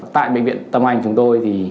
tại bệnh viện tâm anh chúng tôi